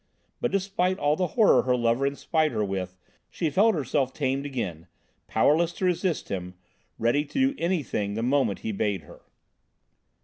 But despite all the horror her lover inspired her with she felt herself tamed again, powerless to resist him, ready to do anything the moment he bade her!